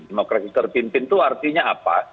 demokrasi terpimpin itu artinya apa